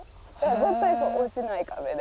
絶対に落ちない壁で。